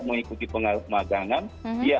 mengikuti pemajangan dia